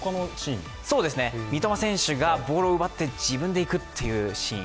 三笘選手がボールを奪って自分でいくというシーン。